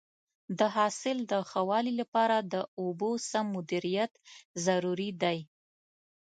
د حاصل د ښه والي لپاره د اوبو سم مدیریت ضروري دی.